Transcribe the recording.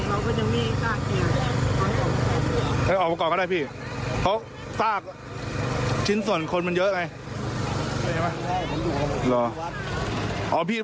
ออกประกอบก็ได้พี่เขาสร้างชิ้นส่วนคนมันเยอะไง